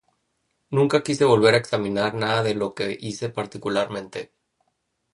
Nunca quise volver a examinar nada de lo que hice particularmente.